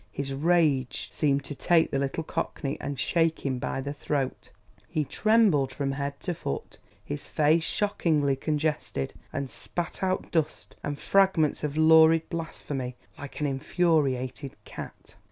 His rage seemed to take the little Cockney and shake him by the throat; he trembled from head to foot, his face shockingly congested, and spat out dust and fragments of lurid blasphemy like an infuriated cat.